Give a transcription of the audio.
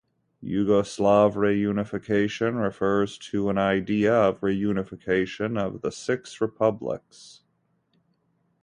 Yugoslav reunification refers to an idea of reunification of the six republics.